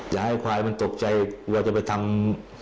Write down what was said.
อย่าให้ควายมันตกใจกลัวจะไปทำ